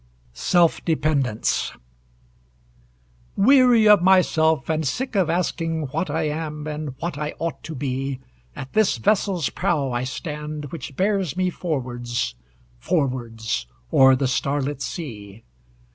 SELF DEPENDENCE Weary of myself, and sick of asking What I am, and what I ought to be, At this vessel's prow I stand, which bears me Forwards, forwards, o'er the starlit sea.